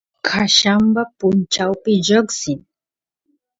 qallamba punchawpi lloqsin